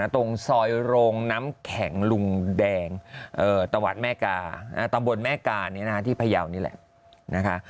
ตรงซอยโรงน้ำแข็งลุงแดงตะวัดแม่กาตำบลแม่กาที่พยาวนี่แหละนะคะ